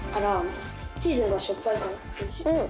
うん。